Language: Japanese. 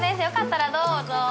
よかったらどうぞ。